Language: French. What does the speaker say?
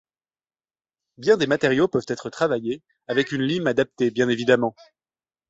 Bien des matériaux peuvent être travaillés, avec une lime adaptée, bien évidemment.